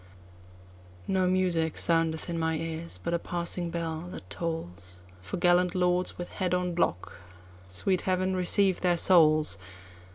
No music soundeth in my ears, but a passing bell that tollsFor gallant lords with head on block—sweet Heaven receive their souls!